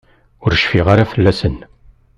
Ur cfiɣ ara fell-asen.